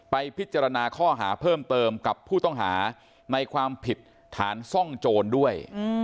ไปพิจารณาข้อหาเพิ่มเติมกับผู้ต้องหาในความผิดฐานซ่องโจรด้วย